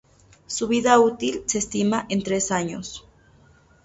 Su vida útil se estima en tres años.